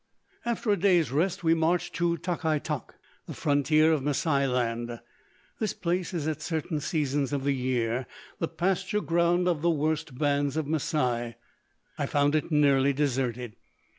After a day's rest we marched to Tok i Tok, the frontier of Masai land. This place is at certain seasons of the year the pasture ground of one of the worst bands of Masai. I found it nearly deserted.